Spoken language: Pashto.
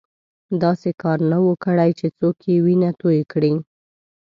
داسې کار نه وو کړی چې څوک یې وینه توی کړي.